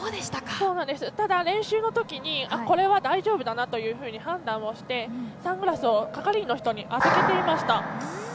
ただ、練習のときにこれは大丈夫だなと判断をしてサングラスを係員の人に預けていました。